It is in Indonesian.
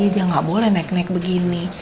dia nggak boleh naik naik begini